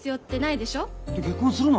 で結婚するの？